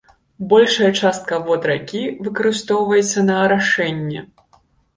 Большая частка вод ракі выкарыстоўваецца на арашэнне.